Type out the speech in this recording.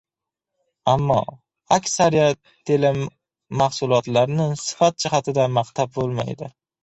Ammo aksariyat telemahsulotlarni sifat jihatdan maqtab bo‘lmaydi